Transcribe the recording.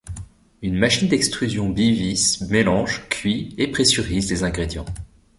Une machine d'extrusion bi-vis mélange, cuit et pressurise les ingrédients.